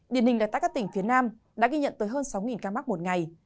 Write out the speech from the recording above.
điển hình là tại các tỉnh phía nam đã ghi nhận tới hơn sáu ca mắc một ngày